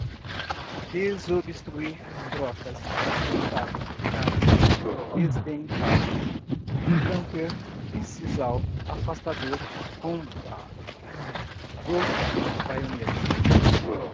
desobstruir, brocas, dentado, garfo, desdentado, camper, incisal, afastador, romba, gota, baioneta